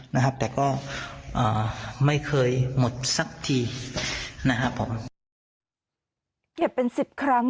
นะครับแต่ก็อ่าไม่เคยหมดสักทีนะครับผมเก็บเป็นสิบครั้ง